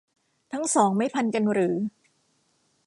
ทั้งสองไม่พันกันหรือ